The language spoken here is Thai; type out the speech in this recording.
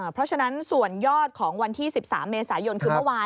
เพราะฉะนั้นส่วนยอดของวันที่๑๓เมษายนคือเมื่อวาน